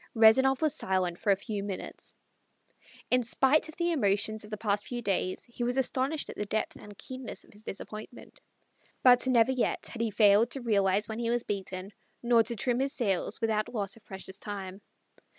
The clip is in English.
Rezanov was silent for a few minutes. In spite of the emotions of the past few days he was astonished at the depth and keenness of his disappointment. But never yet had he failed to realize when he was beaten, nor to trim his sails without loss of precious time.